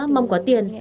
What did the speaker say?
mong có tiền